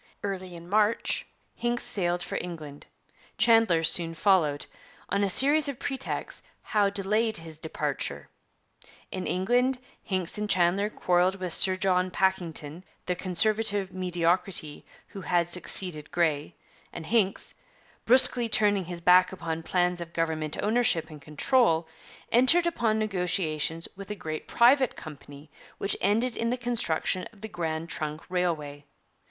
Early in March Hincks sailed for England; Chandler soon followed; on a series of pretexts Howe delayed his departure. In England, Hincks and Chandler quarrelled with Sir John Pakington, the Conservative mediocrity who had succeeded Grey, and Hincks, brusquely turning his back upon plans of government ownership and control, entered upon negotiations with a great private company which ended in the construction of the Grand Trunk Railway.